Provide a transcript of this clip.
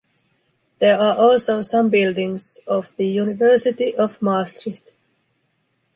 There are also some buildings of the University of Maastricht.